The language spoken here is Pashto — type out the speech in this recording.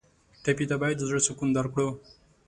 ټپي ته باید د زړه سکون درکړو.